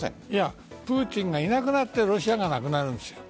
プーチンがいなくなってロシアがなくなるんです。